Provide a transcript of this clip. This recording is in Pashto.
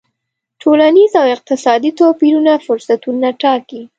ټولنیز او اقتصادي توپیرونه فرصتونه ټاکي.